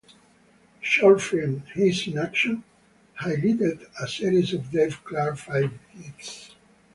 The short film "Hits in Action" highlighted a series of Dave Clark Five hits.